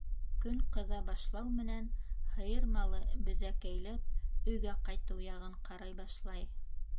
Көн ҡыҙа башлау менән һыйыр малы безәкәйләп өйгә ҡайтыу яғын ҡарай башлай.